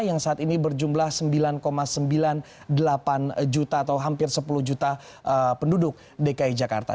yang saat ini berjumlah sembilan sembilan puluh delapan juta atau hampir sepuluh juta penduduk dki jakarta